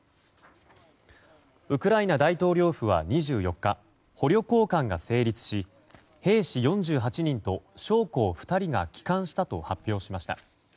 ウクライナ大統領府は２４日捕虜交換が成立し兵士４８人と将校２人が帰還したと発表しました。